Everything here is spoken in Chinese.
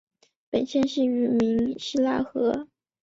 本县系得名于希拉河。